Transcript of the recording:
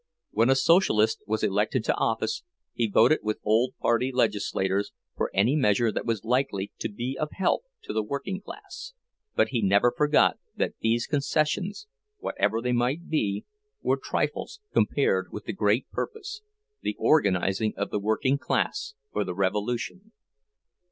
When a Socialist was elected to office he voted with old party legislators for any measure that was likely to be of help to the working class, but he never forgot that these concessions, whatever they might be, were trifles compared with the great purpose—the organizing of the working class for the revolution.